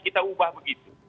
kita ubah begitu